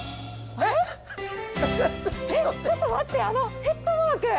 えっちょっと待ってあのヘッドマーク！